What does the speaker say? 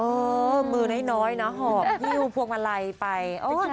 มือน้อยนะหอบฮิ้วพวงมาลัยไป